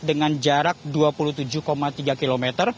dengan jarak dua puluh tujuh tiga km